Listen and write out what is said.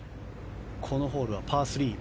このホールはパー３。